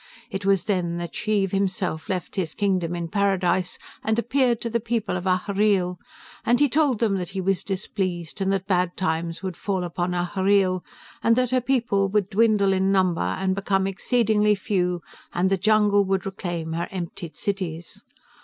It was then that Xheev himself left his kingdom in paradise and appeared to the people of Ahhreel, and he told them that he was displeased, and that bad times would fall upon Ahhreel, and that her people would dwindle in number, and became exceedingly few, and the jungle would reclaim her emptied cities.